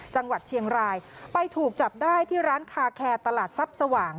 จังหวัดเชียงรายไปถูกจับได้ที่ร้านคาแคร์ตลาดทรัพย์สว่าง